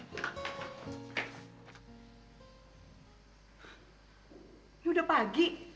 ini udah pagi